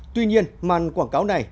tuy nhiên màn quảng cáo này